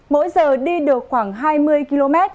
mỗi giờ đi được khoảng hai mươi km